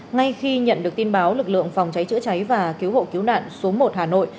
ngay khi nhận được tin báo lực lượng phòng cháy chữa cháy và cứu hộ cứu nạn số một hà nội